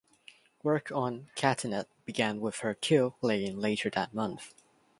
Work on "Catinat" began with her keel laying later that month.